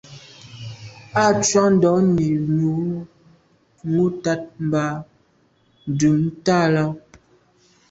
A tshùa ndonni nwù tat mba dum tà là.